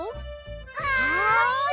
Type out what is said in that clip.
はい！